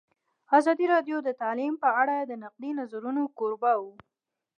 ازادي راډیو د تعلیم په اړه د نقدي نظرونو کوربه وه.